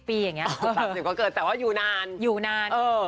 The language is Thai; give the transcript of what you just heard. ปีอย่างนี้ก็เกิดแต่ว่าอยู่นานอยู่นาน